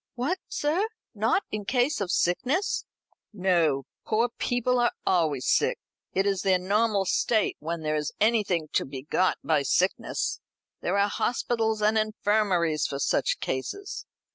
"What, sir? not in case of sickness?" "No. Poor people are always sick. It is their normal state, when there is anything to be got by sickness. There are hospitals and infirmaries for such cases.